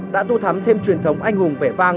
đã tô thắm thêm truyền thống anh hùng vẻ vang